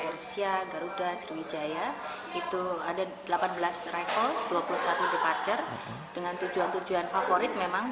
airfisia garuda sriwijaya itu ada delapan belas travel dua puluh satu departure dengan tujuan tujuan favorit memang